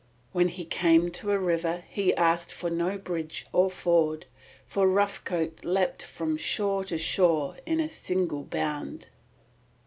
When he came to a river he asked for no bridge or ford, for Rough Coat leapt from shore to shore at a single bound.